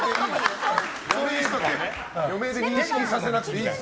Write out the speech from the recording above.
余命で認識させなくていいですから！